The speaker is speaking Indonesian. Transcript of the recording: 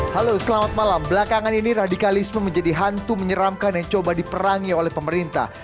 halo selamat malam belakangan ini radikalisme menjadi hantu menyeramkan yang coba diperangi oleh pemerintah